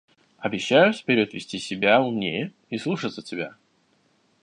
Обещаюсь вперед вести себя умнее и слушаться тебя.